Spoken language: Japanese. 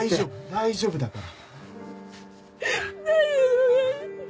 大丈夫だから。